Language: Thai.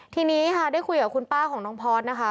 ทีนี้ค่ะได้คุยกับคุณป้าของน้องพอร์ตนะคะ